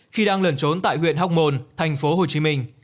khi đang lần trốn tại huyện hóc môn tp hcm